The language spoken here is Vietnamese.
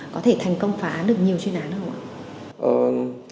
có thể thành công phá được nhiều chuyên án không ạ